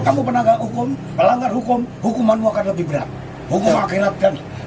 kamu penegak hukum pelanggar hukum hukumanmu akan lebih berat hukum akhirat kan hukumnya